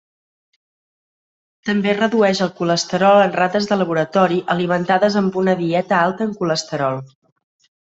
També redueix el colesterol en rates de laboratori alimentades amb una dieta alta en colesterol.